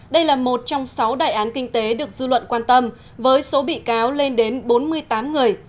đây là một trong sáu đại án kinh tế được dư luận quan tâm với số bị cáo lên đến bốn mươi tám người